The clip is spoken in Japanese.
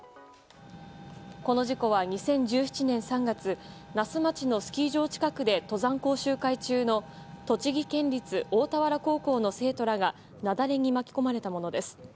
この事故は、２０１７年３月那須町のスキー場近くで登山講習会中の栃木県立大田原高校の生徒らが雪崩に巻き込まれたものです。